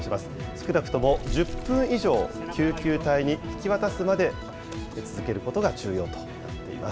少なくとも１０分以上、救急隊に引き渡すまで続けることが重要となっています。